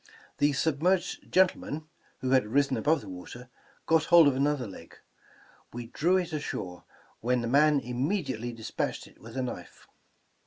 The submerged gentleman, who had risen above the water, got hold of another leg. We drew it ashore, when the man immediately despatched it with a knife.